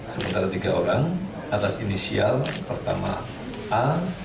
sementara tiga orang atas inisial pertama a